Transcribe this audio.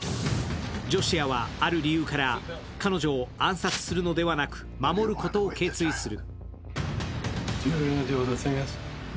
ジョシュアはある理由から彼女を暗殺するのではなく守ることを決意する。